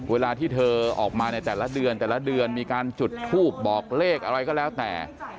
เวลาที่เธอออกมาในแต่ละเดือนแต่ละเดือนมีการจุดทูบบอกเลขอะไรก็แล้วแต่